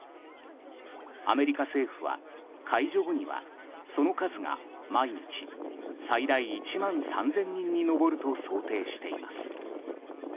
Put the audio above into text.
アメリカ政府は解除後には、その数が毎日、最大１万３０００人に上ると想定しています。